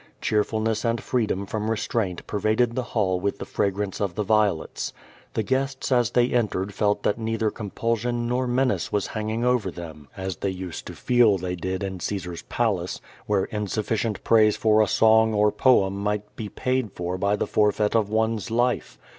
Cheerfulness and freedom from restraint pervaded the hall with the fragrance of the violets. The guests as they entered felt that neither compulsion nor menace was hanging over them, as they used to feel they did in Caesars palace, where insufficient praise for a song or poem might be paid for by the forfeit of one's life.